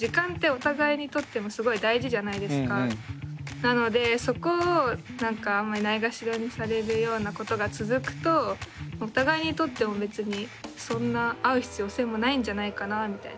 なのでそこをあんまりないがしろにされるようなことが続くとお互いにとっても別にそんな会う必要性もないんじゃないかなみたいな。